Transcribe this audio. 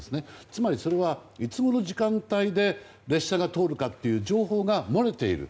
つまりそれはいつごろの時間帯に列車が通るかという情報が漏れている。